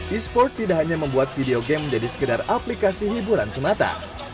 e sport tidak hanya membuat video game menjadi sekedar aplikasi hiburan semata